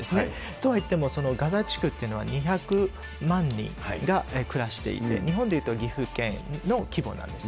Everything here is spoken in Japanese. とはいっても、ガザ地区というのは２００万人が暮らしていて、日本でいうと岐阜県の規模なんです。